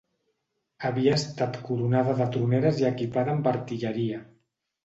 Havia estat coronada de troneres i equipada amb artilleria.